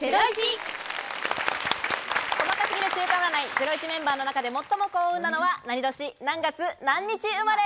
ゼロイチメンバーの中で最も幸運なのは何年何月何日生まれ？